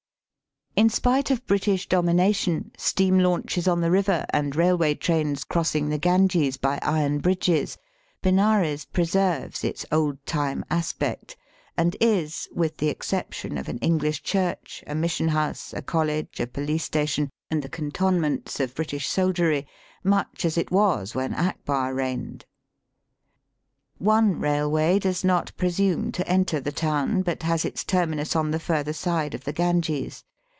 In spite of British domination, steam launches on the river, and railway trains cross ing the Ganges by iron bridges, Benares pre serves its old time aspect, and is, with the exception of an English church, a mission house, a college, a poKce station, and the cantonments of British soldiery, much as it was when Akbar reigned. One railway does not presume to enter the town, but has its Digitized by VjOOQIC 204 EAST BY WEST. terminus on the further side of the Ganges.